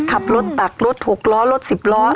ขับรถตักรถทกล้อรถสิบล้อ